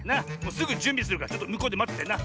すぐじゅんびするからちょっとむこうでまっててな。